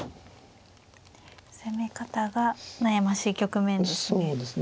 攻め方が悩ましい局面ですね。